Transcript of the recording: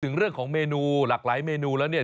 ถึงเรื่องของเมนูหลากหลายเมนูแล้วเนี่ย